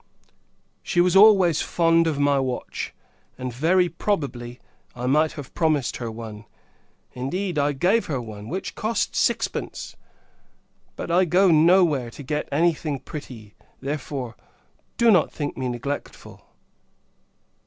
She was always fond of my watch; and, very probably, I might have promised her one: indeed, I gave her one, which cost sixpence! But, I go no where to get any thing pretty; therefore, do not think me neglectful.